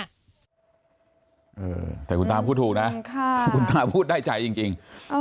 แต่คุณตาพูดถูกนะคุณตาพูดได้ใจจริง